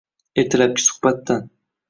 Ertalabki suhbatdan